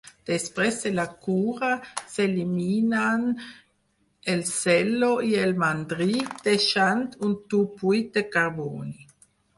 Després de la cura, s'eliminen el cello i el mandrí, deixant un tub buit de carboni.